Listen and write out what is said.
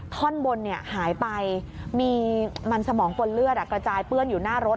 ท่อนบนหายไปมีมันสมองปนเลือดกระจายเปื้อนอยู่หน้ารถ